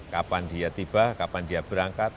kapan dia tiba kapan dia berangkat